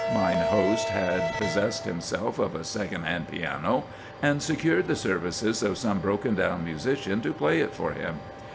Mine host had possessed himself of a second hand piano, and secured the services of some broken down musician to play it for him.